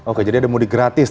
oke jadi ada mudik gratis